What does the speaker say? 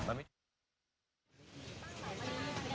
สวัสดีครับ